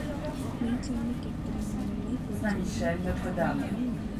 மெய்ச்சொல்லிக் கெட்டவனுமில்லை பொய்சொல்லி வாழ்ந்தவனுமில்லை.